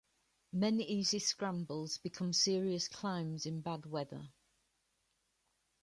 Many easy scrambles become serious climbs in bad weather.